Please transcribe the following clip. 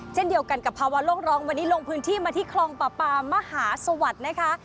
เช่นเดียวกันกับภาวะโลกร้องวันนี้ลงพื้นที่มาที่คลองป่าปามมหาสวัสดิ์นะคะ